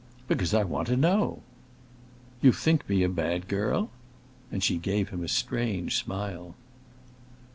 "Because I want to know." "You think me a bad girl?" And she gave a strange smile.